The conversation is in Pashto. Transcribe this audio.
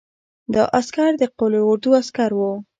دا عسکر د قول اردو عسکر وو.